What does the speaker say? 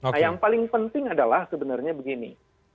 nah yang paling penting adalah sebenarnya begini